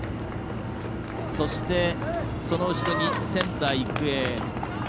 そしてその後ろに仙台育英。